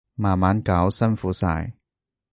慢慢搞，辛苦晒